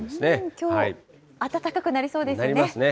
きょう、暖かくなりそうですなりますね。